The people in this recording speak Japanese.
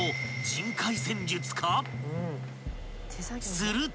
［すると］